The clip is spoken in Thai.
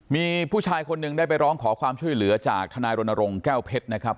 มีผู้ชายคนหนึ่งได้ไปร้องขอความช่วยเหลือจากทนายรณรงค์แก้วเพชรนะครับ